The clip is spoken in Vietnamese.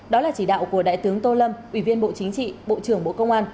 đó là chỉ đạo của đại tướng tô lâm ủy viên bộ chính trị bộ trưởng bộ công an